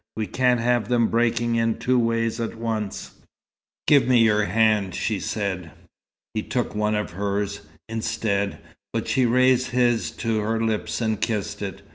We can't have them breaking in two ways at once." "Give me your hand," she said. He took one of hers, instead, but she raised his to her lips and kissed it.